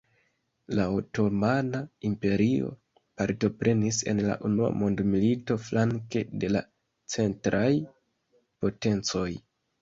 La Otomana Imperio partoprenis en la Unua Mondmilito flanke de la Centraj potencoj.